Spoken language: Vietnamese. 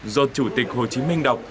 do chủ tịch hồ chí minh đọc